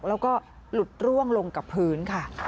แล้วก็หลุดร่วงลงกับพื้นค่ะ